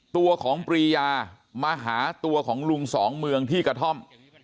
ตัวของปรียามาหาตัวของลุงสองเมืองที่กระท่อม